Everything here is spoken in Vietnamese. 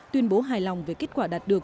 tuyên bố hài lòng về kết quả đạt được